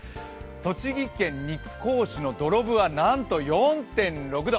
栃木県日光市の土呂部はなんと４．６度！